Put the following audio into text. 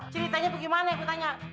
ceritanya bagaimana yang ku tanya